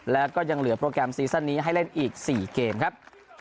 แล้วก็ยังเหลือโปรแกรมซีซั่นนี้ให้เล่นอีก๔เกมครับ